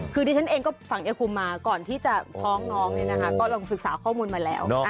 คือดิฉันเองก็ฝั่งเอคุมมาก่อนที่จะฟ้องน้องเนี่ยนะคะก็ลองศึกษาข้อมูลมาแล้ว